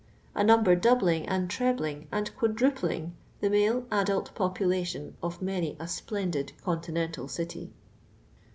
A number doubling, and trebling, and quadrupling the male adult popuUtion of many a splendid continental city.